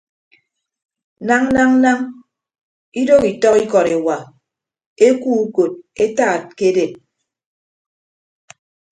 Nañ nañ nañ idooho itọk ikọt ewa ekuo ukot etaat ke edet.